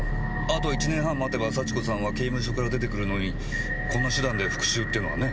あと１年半待てば幸子さんは刑務所から出てくるのにこんな手段で復讐ってのはね。